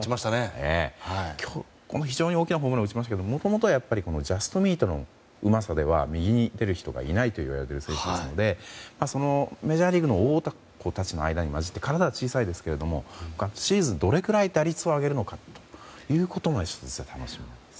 非常に大きなホームランを打ちましたけどもともとはジャストミートのうまさでは右に出る人がいないといわれている選手なのでメジャーリーグの大男たちの間に交じって体が小さいですけどシーズンどれぐらい打率を上げるのかということも楽しみです。